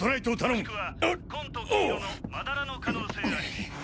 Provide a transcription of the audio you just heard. もしくは紺と黄色のまだらの可能性あり。